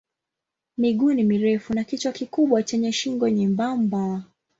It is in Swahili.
Miguu ni mirefu na kichwa kikubwa chenye shingo nyembamba.